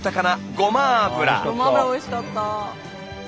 ごま油おいしかった。